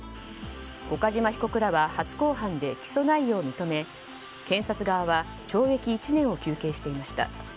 岡島被告らは初公判で起訴内容を認め検察側は懲役１年を求刑していました。